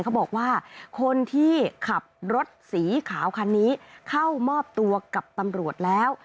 เขาบอกว่าคนที่ขับรถสีขาวคันนี้เข้ามอบตัวกับตำรวจแล้ว